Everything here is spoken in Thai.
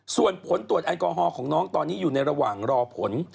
ส่วนผลตรวจแอลกอฮอลของน้องตอนนี้อยู่ในระหว่างรอผล